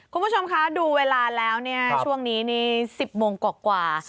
คุณผู้ชมคะดูเวลาแล้วเนี่ยช่วงนี้นี่๑๐โมงกว่า